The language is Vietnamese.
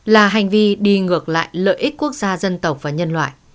là hành vi đi ngược lại lợi ích quốc gia dân tộc và nhân loại